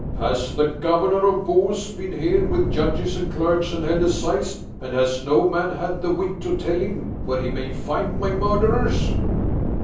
Has the Governor of Bohus been here with judges and clerks and held assize and has no man had the wit to tell him where he may find my murderers?"